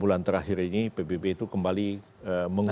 bulan terakhir ini pbb itu kembali